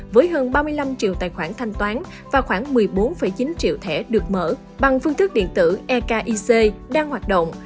với hơn ba mươi năm triệu tài khoản thanh toán và khoảng một mươi bốn chín triệu thẻ được mở bằng phương thức điện tử ekic đang hoạt động